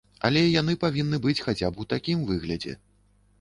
Але яны павінны быць хаця б у такім выглядзе.